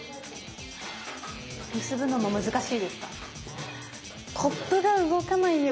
結ぶのも難しいですか？